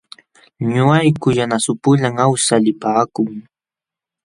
Ñuqayku yanasapulam awsaq lipaakuu.